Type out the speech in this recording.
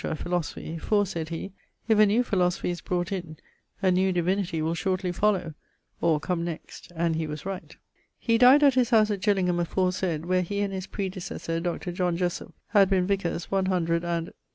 Philosophy; 'for,' sayd he, 'if a new philosophy is brought in, a new divinity will shortly follow' (or 'come next'); and he was right. He dyed at his house at Gillingham aforesaid, where he and his predecessor, Dr. Jessop, had been vicars one hundred and